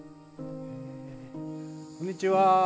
こんにちは。